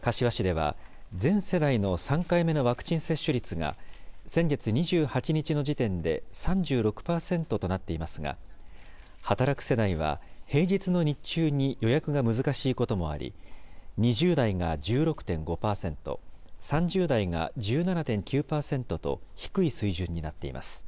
柏市では全世代の３回目のワクチン接種率が、先月２８日の時点で３６％となっていますが、働く世代は、平日の日中に予約が難しいこともあり、２０代が１６．５％、３０代が１７．９％と低い水準になっています。